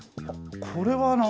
これは何？